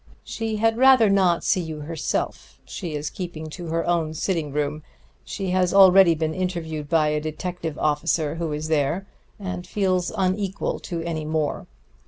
She had rather not see you herself; she is keeping to her own sitting room. She has already been interviewed by a detective officer who is there, and feels unequal to any more.